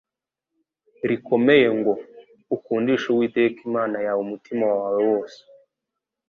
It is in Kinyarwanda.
rikomeye ngo: "Ukundishe Uwiteka Imana yawe umutima wawe wose.»